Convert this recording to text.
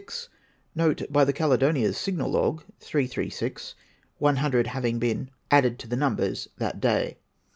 — '°y Ky the Caledonia's sigmal, log 336): one hundred liaving been added to the numbers that day.